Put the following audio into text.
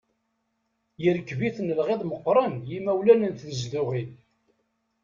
Yerkeb-iten lɣiḍ meqqren yimawlan n tnezduɣin.